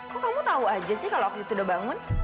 kok kamu tau aja sih kalo aku sudah bangun